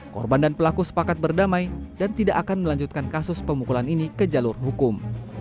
korban dan pelaku sepakat berdamai dan tidak akan melanjutkan kasus pemukulan ini ke jalur hukum